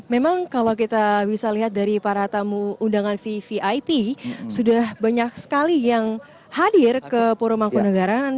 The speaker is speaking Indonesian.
memang kalau kita bisa lihat dari para tamu undangan vvip sudah banyak sekali yang hadir ke puro mangkunagaran